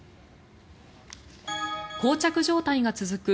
こう着状態が続く